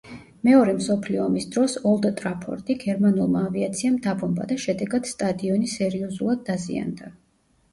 მეორე მსოფლიო ომის დროს „ოლდ ტრაფორდი“ გერმანულმა ავიაციამ დაბომბა და შედეგად სტადიონი სერიოზულად დაზიანდა.